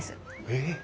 えっ。